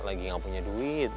lagi gak punya duit